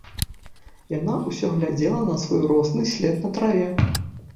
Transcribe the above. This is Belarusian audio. Яна ўсё глядзела на свой росны след на траве.